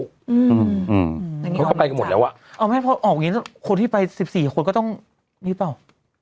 เขาก็ไปกันหมดแล้วอะคนที่ไป๑๔คนก็ต้องนี่เปล่า